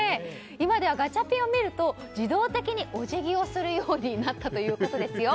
今ではガチャピンを見ると自動的におじぎをするようになったということですよ。